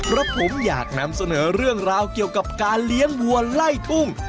และผมอยากนำเสนอเรื่องราวเกี่ยวกับการเลี้ยงวัวไล่ทุ่ง